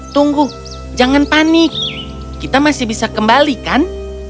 tunggu jangan panik kita masih bisa kembali kan